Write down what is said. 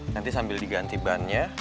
nanti sambil diganti ban nya